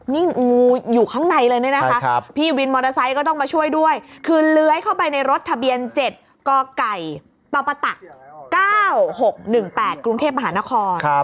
นี่งูอยู่ข้างในเลยเนี่ยนะคะพี่วินมอเตอร์ไซค์ก็ต้องมาช่วยด้วยคือเลื้อยเข้าไปในรถทะเบียน๗กไก่ตปต๙๖๑๘กรุงเทพมหานคร